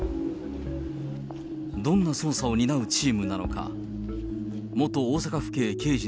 どんな捜査を担うチームなのか。